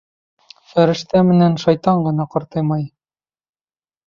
Фәрештә менән шайтан ғына ҡартаймай.